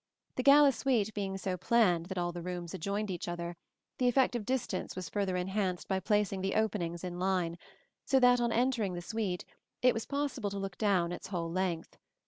The gala suite being so planned that all the rooms adjoined each other, the effect of distance was further enhanced by placing the openings in line, so that on entering the suite it was possible to look down its whole length.